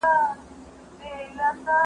د توت ونې لاندې سیوری ډېر سوړ و.